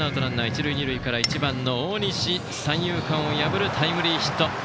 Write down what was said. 一塁二塁から、１番の大西三遊間を破るタイムリーヒット。